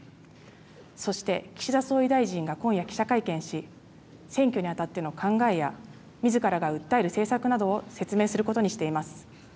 そして岸田総理大臣が今夜記者会見し、選挙にあたっての考えやみずからが訴える政策などを説明することにしています。